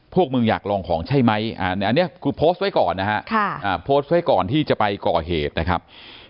พวกมึงอยากลองของใช่ไหมอันนี้คือโพสต์ไว้ก่อนนะฮะโพสต์ไว้ก่อนที่จะไปก่อเหตุนะครับ